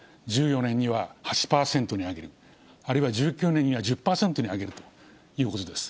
１４年には８％に上げると、あるいは１９年には１０％に上げるということです。